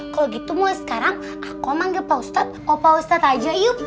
kalau gitu mulai sekarang aku manggil opa ustadz aja yuk